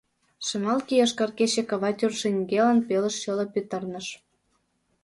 Шемалге-йошкар кече кава тӱр шеҥгелан пелыж чоло петырныш.